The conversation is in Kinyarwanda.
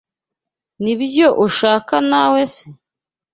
Nibyo ushaka nawe se?